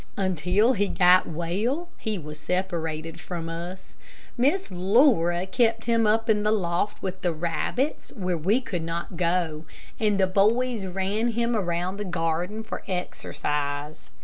Until he got well he was separated from us. Miss Laura kept him up in the loft with the rabbits, where we could not go; and the boys ran him around the garden for exercise.